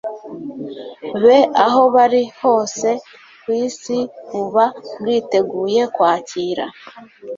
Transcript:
be aho bari hose ku isi buba bwiteguye kwakira